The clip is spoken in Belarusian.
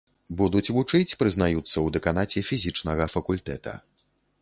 Будуць вучыць, прызнаюцца ў дэканаце фізічнага факультэта.